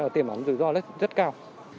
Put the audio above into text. tiềm ảnh rủi ro rất cao